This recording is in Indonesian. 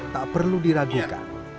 tak perlu diragukan